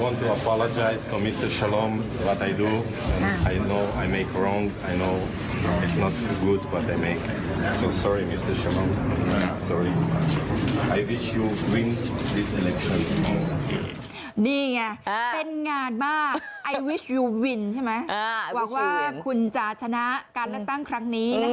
นี่ไงเป็นงานมากใช่ไหมว่าว่าคุณจะชนะการเลือกตั้งครั้งนี้